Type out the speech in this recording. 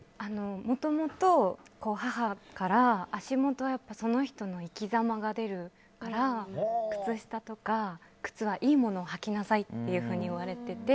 もともと、母から足元はその人の生きざまが出るから靴下とか靴はいいものをはきなさいと言われてて。